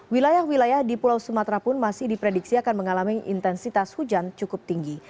wilayah wilayah di pulau sumatera pun masih diprediksi akan mengalami intensitas hujan cukup tinggi